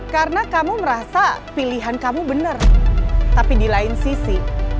karena kamu merasa pilihan kamu bener tapi di lain sisi